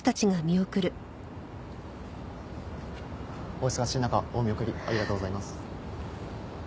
お忙しい中お見送りありがとうございます。